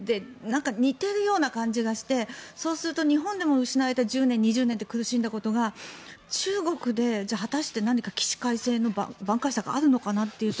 似ているような感じがしてそうすると、日本でも失われた１０年、２０年と苦しんだことが中国で果たして何か起死回生のばん回策があるのかというと。